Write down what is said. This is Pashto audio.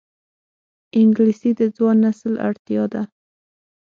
انګلیسي د ځوان نسل اړتیا ده